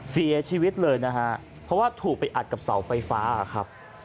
เสียชีวิตเลยนะฮะเพราะว่าถูกไปอัดกับเสาไฟฟ้าครับ